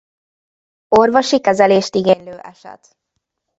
Orvosi kezelést igénylő eset.